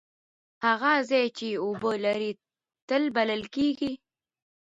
هغه ځای چې اوبه لري تل بلل کیږي.